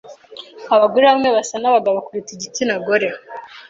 Abagore bamwe basa nabagabo kuruta igitsina gore.